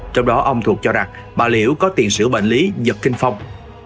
trong đó ông thuật cho rằng bà liễu có tiền sử bệnh lý giật kinh phong